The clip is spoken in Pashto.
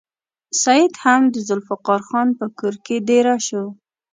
سید هم د ذوالفقار خان په کور کې دېره شو.